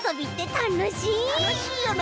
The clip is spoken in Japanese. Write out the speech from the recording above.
たのしいよな！